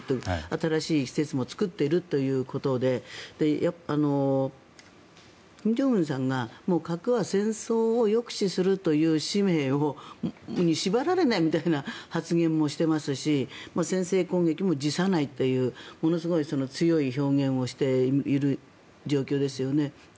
新しい施設も作っているということで金正恩さんが核は戦争を抑止するという使命に縛られないみたいな発言もしていますし先制攻撃も辞さないというものすごい強い表現をしている状況ですよね。